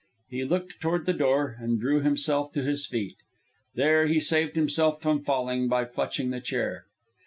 He looked toward the door and drew himself to his feet. There he saved himself from falling by clutching the chair.